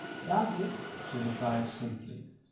"Does it?" she replied simply.